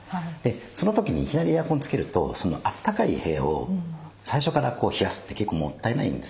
その時にいきなりエアコンつけるとあったかい部屋を最初から冷やすって結構もったいないんですよね。